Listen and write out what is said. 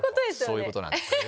そういうことなんです。